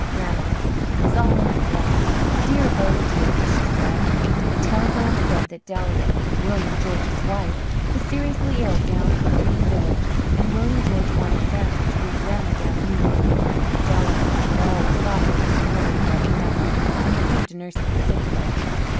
Grandma was "all in a flutter, dear, oh dear," as she said. The telegram said that Delia, William George's wife, was seriously ill down at Green Village, and William George wanted Samuel to bring Grandma down immediately. Delia had always thought there was nobody like Grandma when it came to nursing sick folks.